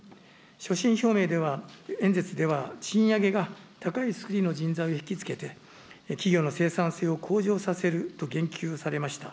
所信表明では、演説では、賃上げが、高いスキルの人材を引き付けて、企業の生産性を向上させると言及されました。